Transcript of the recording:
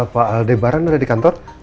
pak aldebaran ada di kantor